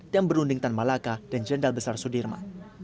dan berunding tanpa laka dan jendal besar sudirman